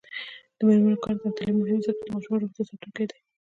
د میرمنو کار او تعلیم مهم دی ځکه چې ماشومانو روغتیا ساتونکی دی.